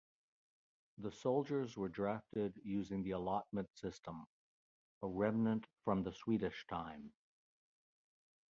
The soldiers were drafted using the allotment system, a remnant from the Swedish time.